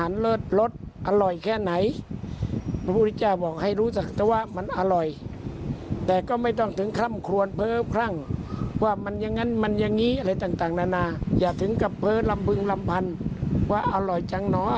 อร่อยจังน้ออร่อยจัง